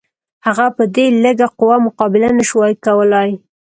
هغه په دې لږه قوه مقابله نه شوای کولای.